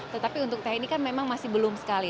tetapi untuk teh ini kan memang masih belum sekali